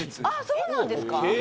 そうなんですか。